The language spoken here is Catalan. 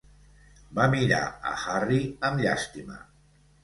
Va mirar a Harry amb llàstima.